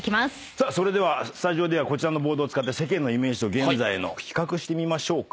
さあそれではスタジオではこちらのボードを使って世間のイメージと現在のを比較してみましょうか。